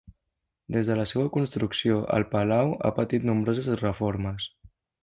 Des de la seua construcció, el palau ha patit nombroses reformes.